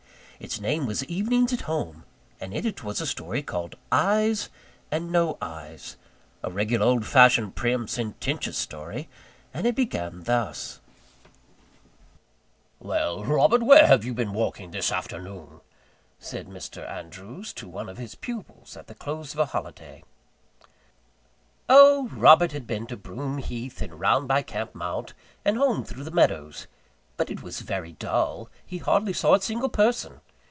Its name was Evenings at Home; and in it was a story called "Eyes and no Eyes;" a regular old fashioned, prim, sententious story; and it began thus: "Well, Robert, where have you been walking this afternoon?" said Mr. Andrews to one of his pupils at the close of a holiday. Oh Robert had been to Broom Heath, and round by Camp Mount, and home through the meadows. But it was very dull. He hardly saw a single person.